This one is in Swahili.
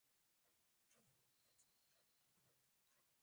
Kuna vipepeo wenye rangi tofauti tofauti za kupendeza machoni